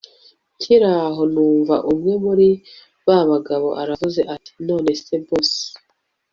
nkiraho numva umwe muri babagabo aravuze ati nonese boss